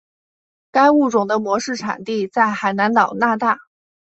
该物种的模式产地在海南岛那大。